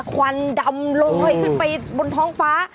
ควันดำเลยขึ้นไปบนท้องฟ้า